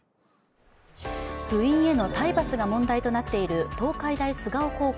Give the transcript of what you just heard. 部員への体罰が問題となっている東海大菅生高校